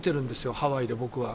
ハワイで、僕は。